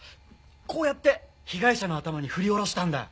こうやって被害者の頭に振り下ろしたんだ。